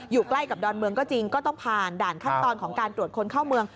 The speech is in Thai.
อยู่ใกล้กับดอนเมืองก็จริงก็ต้องผ่านด่านขั้นตอนของการตรวจคนเข้าเมือง